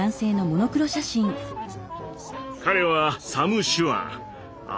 彼はサム・シュアン。